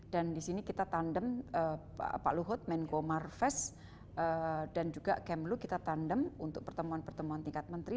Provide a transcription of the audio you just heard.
dan di sini kita tandem pak luhut menko marves dan juga kemlu kita tandem untuk pertemuan pertemuan tingkat menteri